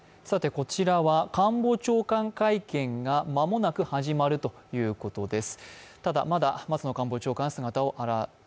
こちらは官房長官会見が間もなく始まるということです。